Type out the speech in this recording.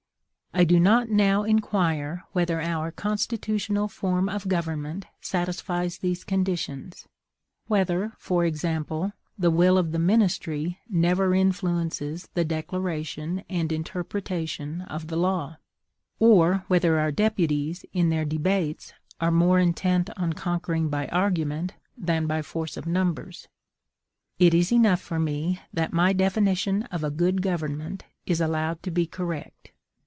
I do not now inquire whether our constitutional form of government satisfies these conditions; whether, for example, the will of the ministry never influences the declaration and interpretation of the law; or whether our deputies, in their debates, are more intent on conquering by argument than by force of numbers: it is enough for me that my definition of a good government is allowed to be correct.